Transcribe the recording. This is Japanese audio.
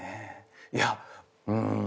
いやうん。